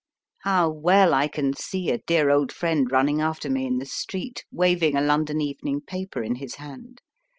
How well I can see a dear old friend running after me in the street, waving a London evening paper in his hand